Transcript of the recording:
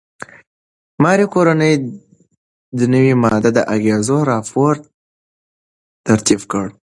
ماري کوري د نوې ماده د اغېزو راپور ترتیب کړ.